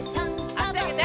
あしあげて！